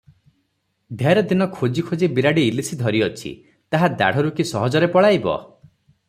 ଢେର ଦିନ ଖୋଜି ଖୋଜି ବିରାଡ଼ି ଇଲିଶି ଧରିଅଛି, ତାହା ଦାଢ଼ରୁ କି ସହଜରେ ପଳାଇବ?